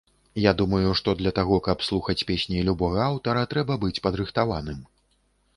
Я думаю, што для таго, каб слухаць песні любога аўтара, трэба быць падрыхтаваным.